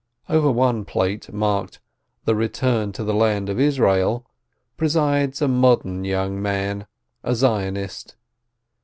Over one plate, marked "The Eeturn to the Land of Israel," presides a modern young man, a Zionist.